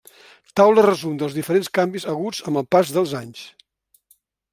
Taula resum dels diferents canvis haguts amb el pas dels anys.